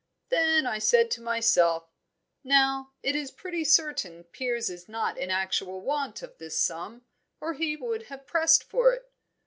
Then I said to myself: Now it is pretty certain Piers is not in actual want of this sum, or he would have pressed for it.